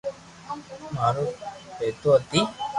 ماري ٻينو ھتي